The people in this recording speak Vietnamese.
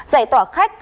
giải tỏa khách